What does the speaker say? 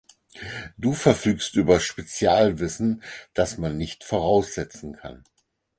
Du verfügst über Spezialwissen, das man nicht voraussetzen kann.